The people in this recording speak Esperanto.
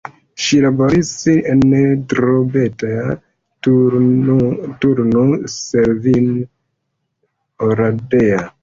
Ŝi laboris en Drobeta-Turnu Severin, Oradea.